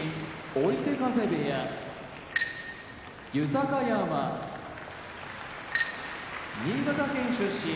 追手風部屋豊山新潟県出身